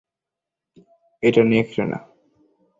এটা নেকড়ে না।